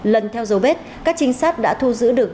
lần theo dấu vết các trinh sát đã thu giữ được